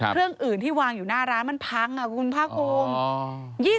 เครื่องอื่นที่วางอยู่หน้าร้านมันพังอ่ะคุณพระคง